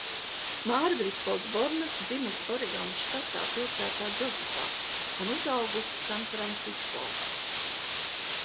Mārgarita Osborna dzimusi Oregonas štatā pilsētā Džozefā, un uzaugusi Sanfrancisko.